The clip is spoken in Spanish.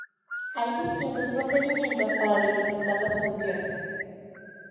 Hay distintos procedimientos para representar las funciones.